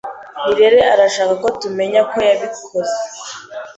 Nirere arashaka ko tumenya ko yabikoze.